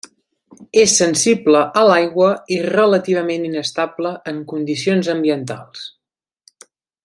És sensible a l'aigua i relativament inestable en condicions ambientals.